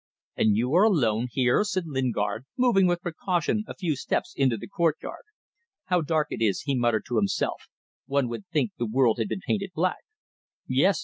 "And you are alone here?" said Lingard, moving with precaution a few steps into the courtyard. "How dark it is," he muttered to himself "one would think the world had been painted black." "Yes.